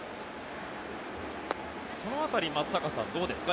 その辺り松坂さん、どうですか？